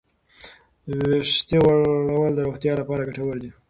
ویښتې غوړول د روغتیا لپاره ګټور دي.